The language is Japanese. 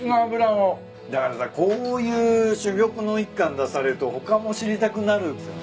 だからさこういう珠玉の一貫出されると他も知りたくなるんすよね。